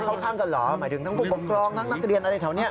เข้าข้างกันเหรอหมายถึงทั้งผู้ปกครองทั้งนักเรียนอะไรแถวนี้